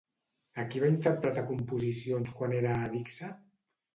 A qui va interpretar composicions quan era a Edigsa?